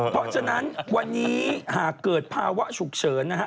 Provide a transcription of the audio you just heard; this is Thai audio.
เพราะฉะนั้นวันนี้หากเกิดภาวะฉุกเฉินนะฮะ